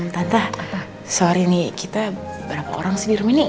tata sorry nih kita berapa orang sih di rumah ini